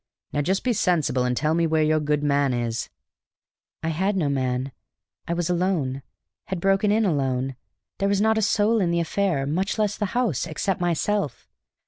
Now just be sensible and tell me where your good man is." I had no man. I was alone, had broken in alone. There was not a soul in the affair (much less the house) except myself.